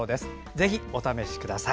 ぜひ、お試しください。